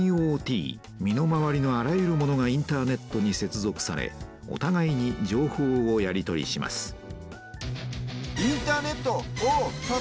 身の回りのあらゆるものがインターネットに接続されおたがいに情報をやり取りします